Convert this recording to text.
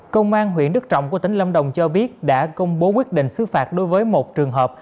công an huyện đức trọng của tỉnh lâm đồng cho biết đã công bố quyết định xứ phạt đối với một trường hợp